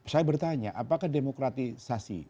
saya bertanya apakah demokratisasi